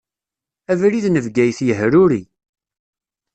Abrid n Bgayet yehruri.